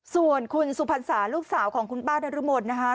ส่วนคุณสุพรรษาลูกสาวของคุณป้านรมนนะคะ